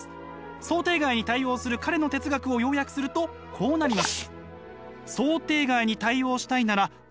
想定外に対応する彼の哲学を要約するとこうなります。